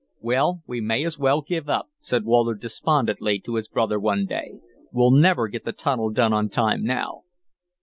"Well, we may as well give up," said Walter, despondently, to his brother one day. "We'll never get the tunnel done on time now."